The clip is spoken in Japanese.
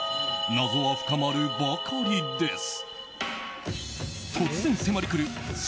謎は深まるばかりです。